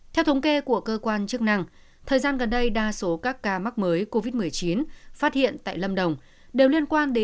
theo thống kê của cơ quan chức năng thời gian gần đây đa số các ca mắc mới covid một mươi chín phát hiện tại lâm đồng đều liên quan đến